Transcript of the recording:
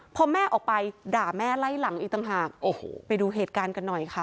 พอแม่ออกไปด่าแม่ไล่หลังอีกต่างหากโอ้โหไปดูเหตุการณ์กันหน่อยค่ะ